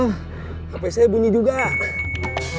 hp saya bunyi juga